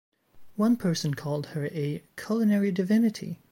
One person called her a "culinary divinity".